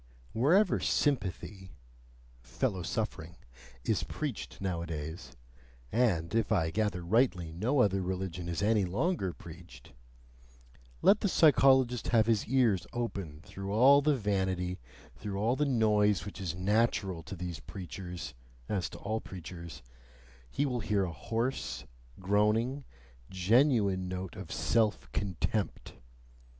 Wherever sympathy (fellow suffering) is preached nowadays and, if I gather rightly, no other religion is any longer preached let the psychologist have his ears open through all the vanity, through all the noise which is natural to these preachers (as to all preachers), he will hear a hoarse, groaning, genuine note of SELF CONTEMPT.